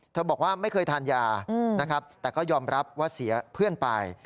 บอกว่าไม่เคยทานยานะครับแต่ก็ยอมรับว่าเสียเพื่อนไป